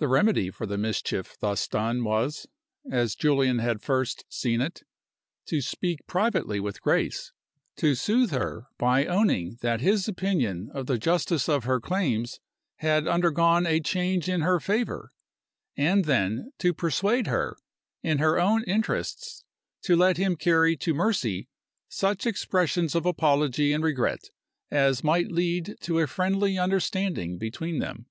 The remedy for the mischief thus done was, as Julian had first seen it, to speak privately with Grace, to soothe her by owning that his opinion of the justice of her claims had undergone a change in her favor, and then to persuade her, in her own interests, to let him carry to Mercy such expressions of apology and regret as might lead to a friendly understanding between them.